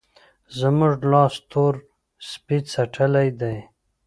زموږ لاس تور سپي څټلی دی.